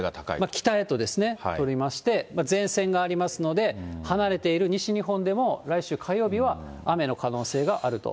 北へとですね、取りまして、前線がありますので、離れている西日本でも、来週火曜日は雨の可能性があると。